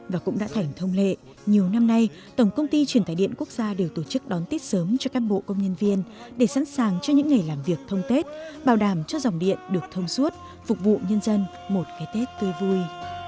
và cũng đã thảnh thông lệ nhiều năm nay tổng công ty truyền tài điện quốc gia đều tổ chức đón tết sớm cho các bộ công nhân viên để sẵn sàng cho những ngày làm việc thông tết bảo đảm cho dòng điện được thông suốt phục vụ nhân dân một cái tết tươi vui